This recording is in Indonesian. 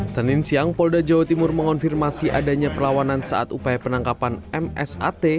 senin siang polda jawa timur mengonfirmasi adanya perlawanan saat upaya penangkapan msat